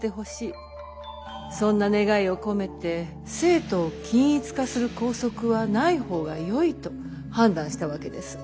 そんな願いを込めて生徒を均一化する校則はない方がよいと判断したわけです。